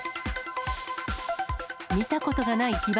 見たことがない火柱。